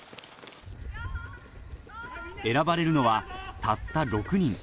・選ばれるのはたった６人